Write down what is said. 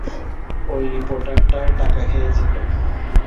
ঐ রিপোর্টারটাও টাকা খেয়েছিল।